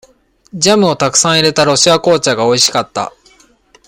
ジャムをたくさん入れた、ロシア紅茶がおいしかった。